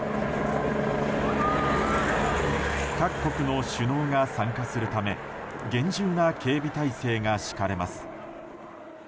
各国の首脳が参加するため厳重な警備体制が敷かれます。